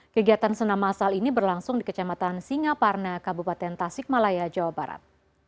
kegiatan senam masal ini berlangsung di kecamatan singaparna kabupaten tasik malaya jawa barat